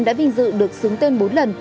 đã vinh dự được xứng tên bốn lần